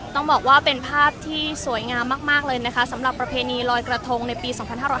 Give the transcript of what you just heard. ต้องบอกว่าเป็นภาพที่สวยงามมากเลยนะคะสำหรับประเพณีลอยกระทงในปี๒๕๖๐